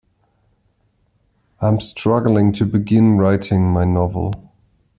I'm struggling to begin writing my novel.